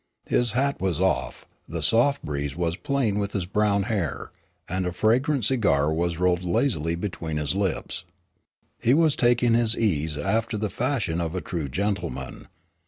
His hat was off, the soft breeze was playing with his brown hair, and a fragrant cigar was rolled lazily between his lips. He was taking his ease after the fashion of a true gentleman.